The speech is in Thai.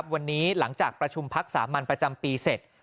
วันนี้หลังจากประชุมพักสามัญประจำปีเสร็จ